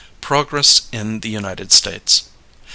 PROGRESS IN THE UNITED STATES.